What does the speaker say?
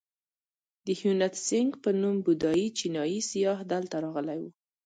د هیونتسینګ په نوم بودایي چینایي سیاح دلته راغلی و.